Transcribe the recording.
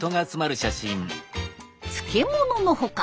漬物の他